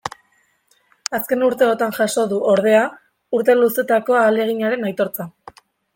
Azken urteotan jaso du, ordea, urte luzetako ahaleginaren aitortza.